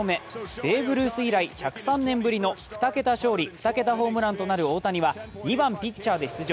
ベーブ・ルース以来１０３年ぶりの２桁勝利２桁ホームランとなる大谷は２番・ピッチャーで出場。